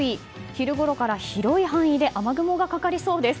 昼ごろから広い範囲で雨雲がかかりそうです。